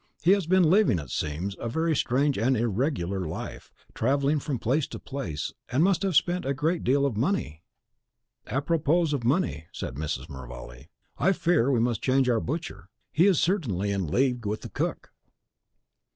He has been living, it seems, a very strange and irregular life, travelling from place to place, and must have spent already a great deal of money." "Apropos of money," said Mrs. Mervale; "I fear we must change our butcher; he is certainly in league with the cook."